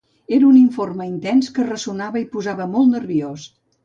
Era un informe intens que ressonava i posava molt nerviós.